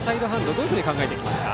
どういうふうに考えていきますか。